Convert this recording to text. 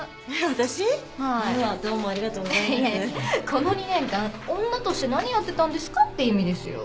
この２年間女として何やってたんですかって意味ですよ。